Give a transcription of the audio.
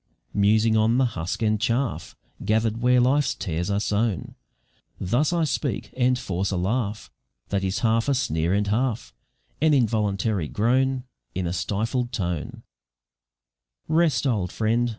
Musing on the husk and chaff Gather'd where life's tares are sown, Thus I speak, and force a laugh That is half a sneer and half An involuntary groan, In a stifled tone "Rest, old friend!